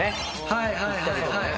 はいはい。